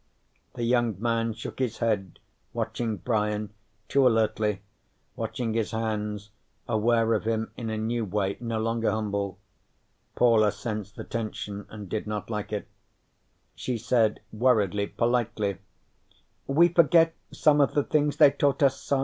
The young man shook his head, watching Brian too alertly, watching his hands, aware of him in a new way, no longer humble. Paula sensed the tension and did not like it. She said worriedly, politely: "We forget some of the things they taught us, sa.